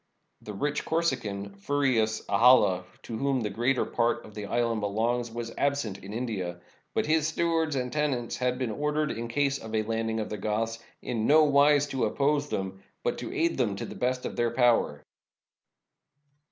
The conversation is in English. The rich Corsican, Furius Ahalla, to whom the greater part of the island belongs, was absent in India. But his stewards and tenants had been ordered, in case of a landing of the Goths, in no wise to oppose them, but to aid them to the best of their power.